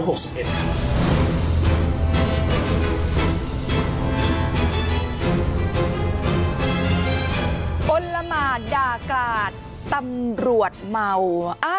ละหมาดด่ากราดตำรวจเมา